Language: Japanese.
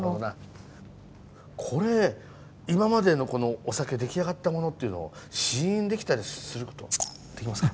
これ今までのこのお酒出来上がったものっていうの試飲できたりする事できますか？